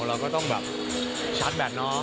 แล้วก็ต้องแบบชัดแบตน้อง